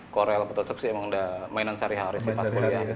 corel photoshop sih emang udah mainan sehari hari sih pas mulia